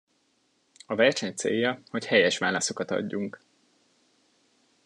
A verseny célja, hogy helyes válaszokat adjunk.